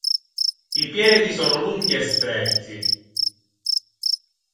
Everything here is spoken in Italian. I piedi sono lunghi e stretti.